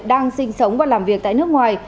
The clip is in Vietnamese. đang sinh sống và làm việc tại nước ngoài